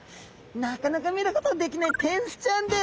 なかなか見ることができないテンスちゃんです。